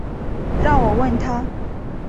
让我问他